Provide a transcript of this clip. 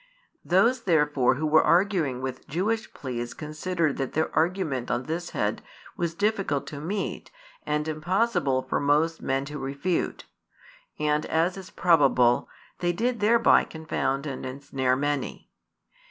Those therefore who were arguing with Jewish pleas considered that their argument on this head was difficult to meet and impossible for most men to refute; and, as is probable, they did thereby confound and ensnare many.